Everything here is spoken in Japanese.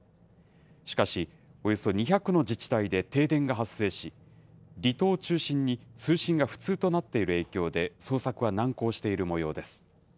しかし、およそ２００の自治体で停電が発生し、離島を中心に通信が不通となっている影響で、捜索は難航しているもようです。